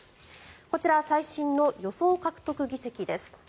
こちら最新の予想獲得議席です。